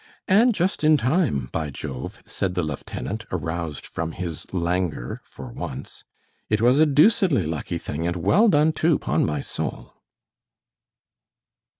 "And just in time, by Jove!" said the lieutenant, aroused from his languor for once. "It was a deucedly lucky thing, and well done, too, 'pon my soul."